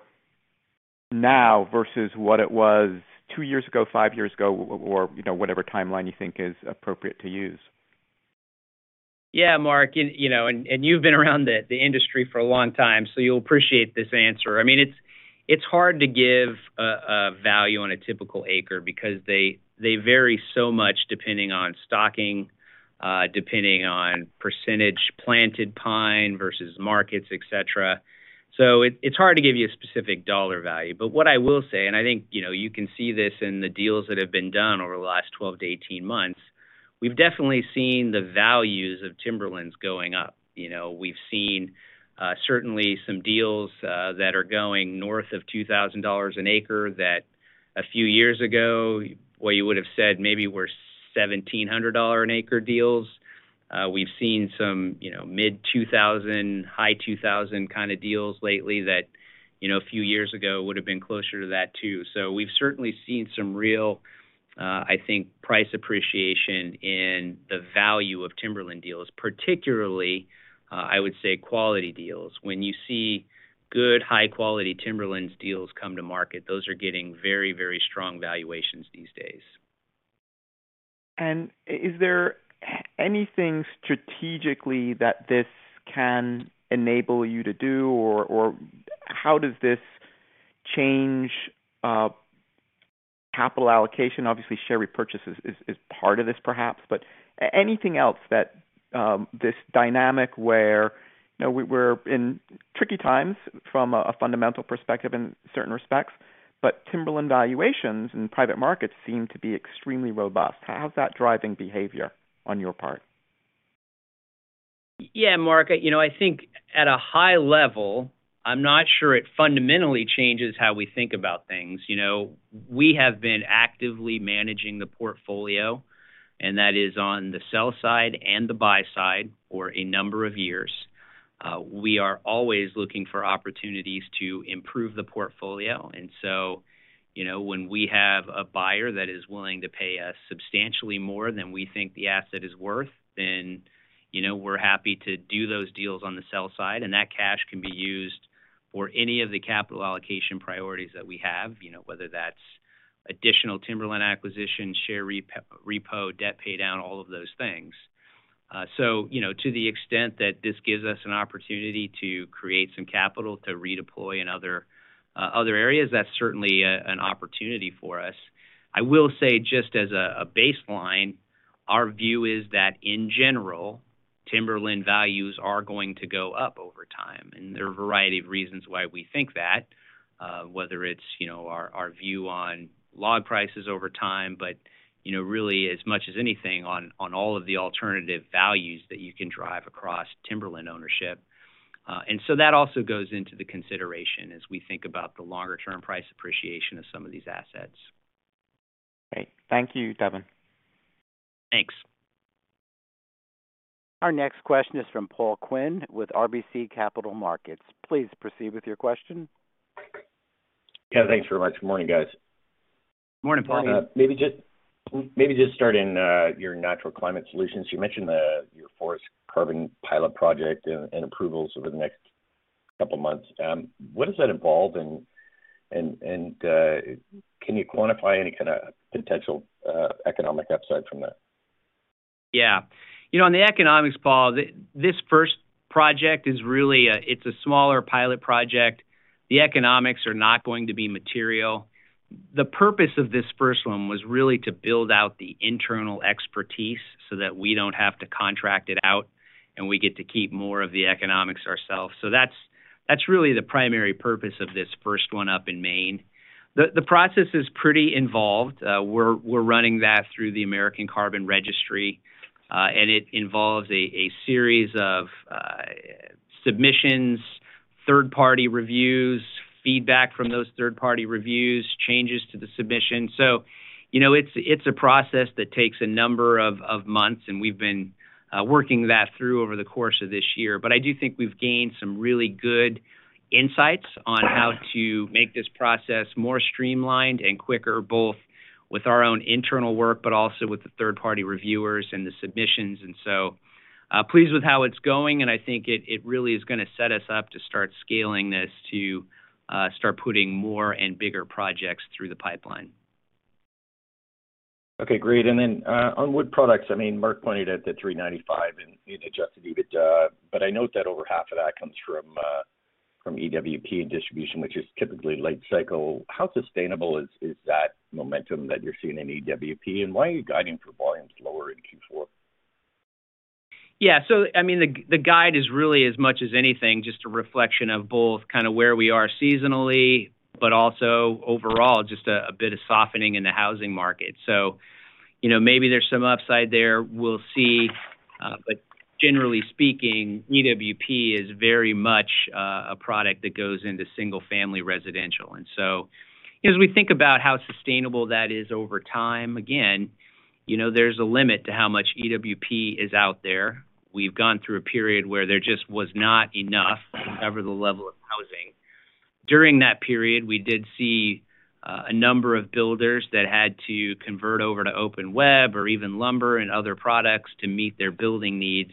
now versus what it was two years ago, five years ago, or you know, whatever timeline you think is appropriate to use? Yeah, Mark. You know, you've been around the industry for a long time, so you'll appreciate this answer. I mean, it's hard to give a value on a typical acre because they vary so much depending on stocking, depending on percentage planted pine versus markets, et cetera. It's hard to give you a specific dollar value. What I will say, and I think you know, you can see this in the deals that have been done over the last 12-18 months, we've definitely seen the values of Timberlands going up. You know, we've seen certainly some deals that are going north of $2,000 an acre that a few years ago, what you would have said maybe were $1,700 an acre deals. We've seen some, you know, mid-$2,000, high-$2,000 kind of deals lately that, you know, a few years ago would have been closer to that too. We've certainly seen some real, I think, price appreciation in the value of Timberlands deals, particularly, I would say quality deals. When you see good high-quality Timberlands deals come to market, those are getting very, very strong valuations these days. Is there anything strategically that this can enable you to do? Or how does this change capital allocation? Obviously, share repurchases is part of this perhaps. Anything else that this dynamic where, you know, we're in tricky times from a fundamental perspective in certain respects, but Timberlands valuations in private markets seem to be extremely robust. How's that driving behavior on your part? Yeah, Mark. You know, I think at a high level, I'm not sure it fundamentally changes how we think about things. You know, we have been actively managing the portfolio, and that is on the sell side and the buy side for a number of years. We are always looking for opportunities to improve the portfolio. You know, when we have a buyer that is willing to pay us substantially more than we think the asset is worth, then, you know, we're happy to do those deals on the sell side, and that cash can be used for any of the capital allocation priorities that we have, you know, whether that's additional Timberlands acquisition, share repurchase, debt paydown, all of those things. You know, to the extent that this gives us an opportunity to create some capital to redeploy in other areas, that's certainly an opportunity for us. I will say just as a baseline. Our view is that in general, Timberlands values are going to go up over time, and there are a variety of reasons why we think that, whether it's, you know, our view on log prices over time, but, you know, really as much as anything on all of the alternative values that you can drive across Timberlands ownership. That also goes into the consideration as we think about the longer term price appreciation of some of these assets. Great. Thank you, Devin. Thanks. Our next question is from Paul Quinn with RBC Capital Markets. Please proceed with your question. Yeah, thanks very much. Good morning, guys. Morning, Paul. Maybe just starting your Natural Climate Solutions. You mentioned your forest carbon pilot project and approvals over the next couple months. What does that involve? Can you quantify any kinda potential economic upside from that? Yeah. You know, on the economics, Paul, this first project is really. It's a smaller pilot project. The economics are not going to be material. The purpose of this first one was really to build out the internal expertise so that we don't have to contract it out, and we get to keep more of the economics ourselves. That's really the primary purpose of this first one up in Maine. The process is pretty involved. We're running that through the American Carbon Registry, and it involves a series of submissions, third-party reviews, feedback from those third-party reviews, changes to the submission. You know, it's a process that takes a number of months, and we've been working that through over the course of this year. I do think we've gained some really good insights on how to make this process more streamlined and quicker, both with our own internal work but also with the third-party reviewers and the submissions. Pleased with how it's going, and I think it really is gonna set us up to start scaling this to start putting more and bigger projects through the pipeline. Okay, great. On wood products, I mean, Mark pointed at the $395 million, you know, adjusted EBITDA, but I note that over half of that comes from EWP and distribution, which is typically late cycle. How sustainable is that momentum that you're seeing in EWP, and why are you guiding for volumes lower in Q4? Yeah. I mean, the guide is really as much as anything, just a reflection of both kinda where we are seasonally, but also overall, just a bit of softening in the housing market. You know, maybe there's some upside there we'll see. But generally speaking, EWP is very much a product that goes into single-family residential. As we think about how sustainable that is over time, again, you know, there's a limit to how much EWP is out there. We've gone through a period where there just was not enough to cover the level of housing. During that period, we did see a number of builders that had to convert over to open web or even lumber and other products to meet their building needs.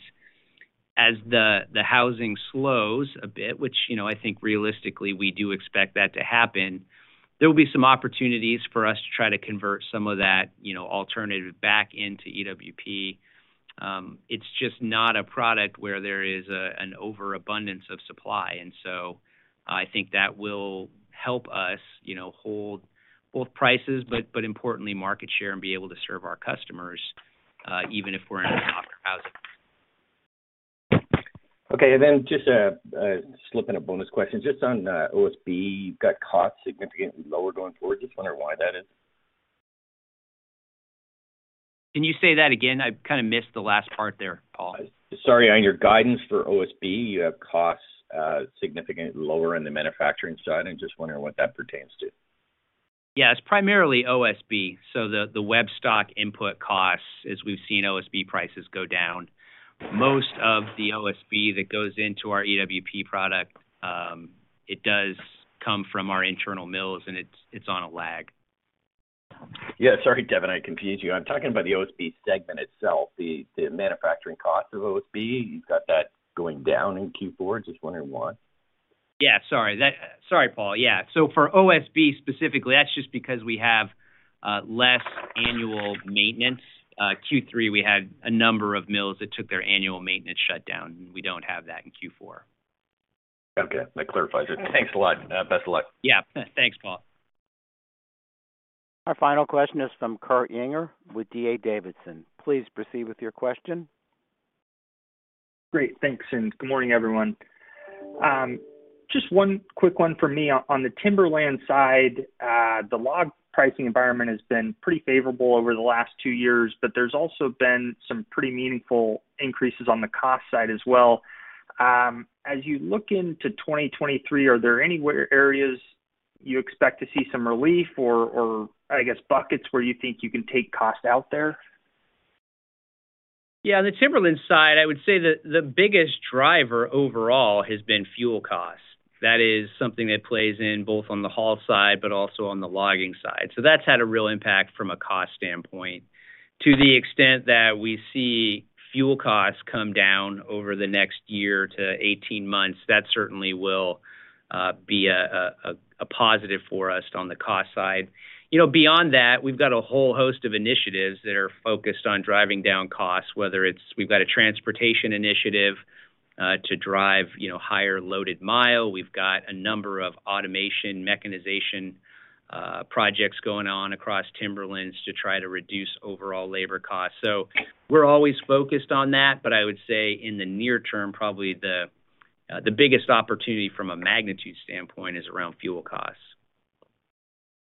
As the housing slows a bit, which, you know, I think realistically, we do expect that to happen, there will be some opportunities for us to try to convert some of that, you know, alternative back into EWP. It's just not a product where there is an overabundance of supply. I think that will help us, you know, hold both prices, but importantly, market share and be able to serve our customers even if we're in a softer housing market. Okay. Just a slip in a bonus question. Just on OSB, you've got costs significantly lower going forward. Just wondering why that is. Can you say that again? I kinda missed the last part there, Paul. Sorry. On your guidance for OSB, you have costs, significantly lower in the manufacturing side. I'm just wondering what that pertains to. Yeah. It's primarily OSB, so the web stock input costs, as we've seen OSB prices go down. Most of the OSB that goes into our EWP product, it does come from our internal mills, and it's on a lag. Yeah. Sorry, Devin, I confused you. I'm talking about the OSB segment itself, the manufacturing cost of OSB. You've got that going down in Q4. Just wondering why. Sorry, Paul. For OSB specifically, that's just because we have less annual maintenance. Q3, we had a number of mills that took their annual maintenance shutdown, and we don't have that in Q4. Okay. That clarifies it. Thanks a lot. Best of luck. Yeah. Thanks, Paul. Our final question is from Kurt Yinger with D.A. Davidson. Please proceed with your question. Great. Thanks, and good morning, everyone. Just one quick one for me. On the Timberlands side, the log pricing environment has been pretty favorable over the last two years, but there's also been some pretty meaningful increases on the cost side as well. As you look into 2023, are there any areas you expect to see some relief or I guess, buckets where you think you can take cost out there? Yeah. The Timberlands side, I would say the biggest driver overall has been fuel costs. That is something that plays in both on the haul side but also on the logging side. That's had a real impact from a cost standpoint. To the extent that we see fuel costs come down over the next year-to-18 months, that certainly will be a positive for us on the cost side. You know, beyond that, we've got a whole host of initiatives that are focused on driving down costs, whether it's we've got a transportation initiative to drive, you know, higher loaded mile. We've got a number of automation, mechanization projects going on across Timberlands to try to reduce overall labor costs. We're always focused on that. I would say in the near term, probably the biggest opportunity from a magnitude standpoint is around fuel costs.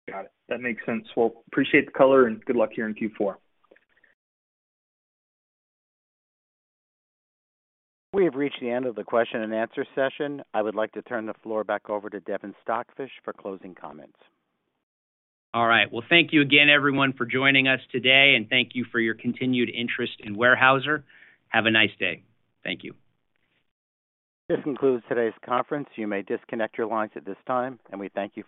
Got it. That makes sense. Well, appreciate the color, and good luck here in Q4. We have reached the end of the question and answer session. I would like to turn the floor back over to Devin Stockfish for closing comments. All right. Well, thank you again, everyone, for joining us today, and thank you for your continued interest in Weyerhaeuser. Have a nice day. Thank you. This concludes today's conference. You may disconnect your lines at this time, and we thank you for your participation.